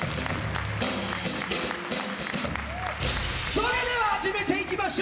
それでははじめていきましょう！